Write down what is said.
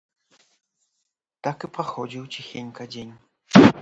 Так і праходзіў ціхенька дзень.